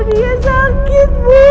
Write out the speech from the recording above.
dia sakit bu